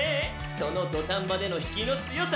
その土壇場での引きの強さ！